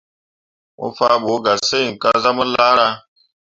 Mo faa ɓu ga sesǝŋ kah zah mu laaka.